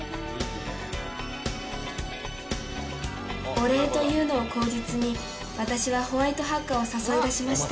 「お礼というのを口実に私はホワイトハッカーを誘い出しました」